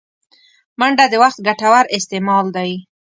منډه د وخت ګټور استعمال دی